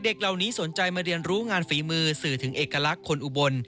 เด็กเหล่านี้สนใจมาเรียนรู้งานฝีมือสื่อถึงเอกลักษณ์คนอุบล